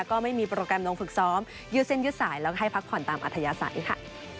ก็ไม่มีโปรแกรมลงฝึกซ้อมยืดเส้นยืดสายแล้วก็ให้พักผ่อนตามอัธยาศัยค่ะ